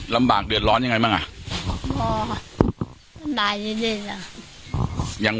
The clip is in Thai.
ลำบากเดือดร้อนยังไงมั่งอ่ะ